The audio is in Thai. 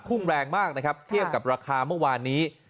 ่งแรงมากนะครับเทียบกับราคาเมื่อวานนี้